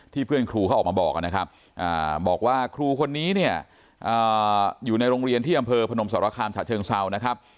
เพื่อนครูเขาออกมาบอกนะครับบอกว่าครูคนนี้เนี่ยอยู่ในโรงเรียนที่อำเภอพนมสรคามฉะเชิงเซานะครับ